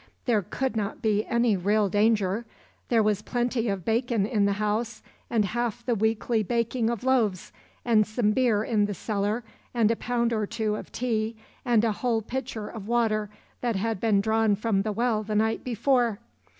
There could not be any real danger. There was plenty of bacon in the house, and half the weekly baking of loaves and some beer in the cellar and a pound or so of tea, and a whole pitcher of water that had been drawn from the well the night before.